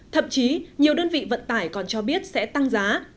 thậm chí nhiều đơn vị vận tải còn cho biết sẽ tăng giá